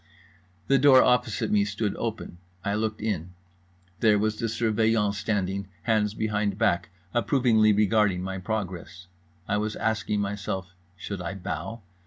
The door opposite me stood open. I looked in. There was the Surveillant standing, hands behind back, approvingly regarding my progress. I was asking myself, Should I bow?